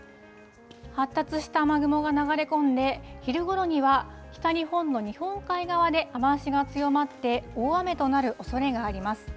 発達した雨雲が流れ込んで、昼ごろには北日本の日本海側で雨足が強まって、大雨となるおそれがあります。